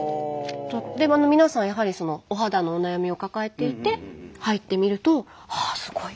皆さんやはりお肌のお悩みを抱えていて入ってみるとああすごい！